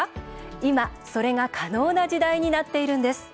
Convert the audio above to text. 今、それが可能な時代になっているんです。